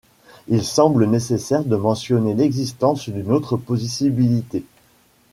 Il semble nécessaire de mentionner l'existence d'une autre possibilité.